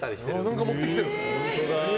何か持ってきてる。